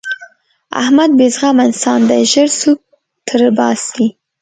احمد بې زغمه انسان دی؛ ژر سوک تر باسي.